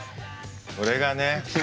これがね。